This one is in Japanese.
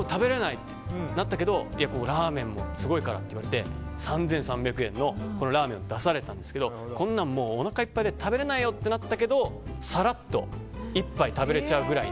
ってなったけどいや、ラーメンもすごいからって言われて３３００円のラーメンを出されたんですけどこんなのおなかいっぱいで食べれないよってなったけどさらっと１杯食べれちゃうぐらい。